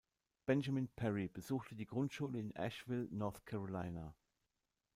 Benjamin Perry besuchte die Grundschule in Asheville, North Carolina.